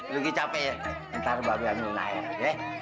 lu lagi capek ya ntar babi amin lah ya be